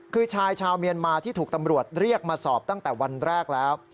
คือชายชาวเมียนมาที่ถูกตำรวจเรียกมาสอบตั้งแต่วันแรกแล้ว